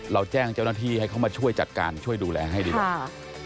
เราแจ้งเจ้าหน้าที่ให้เขามาช่วยจัดการช่วยดูแลให้ดีกว่า